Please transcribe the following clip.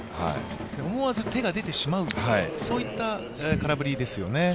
思わず手が出てしまう、そういった空振りですよね。